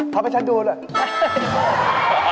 พอไปฉันดูด้วย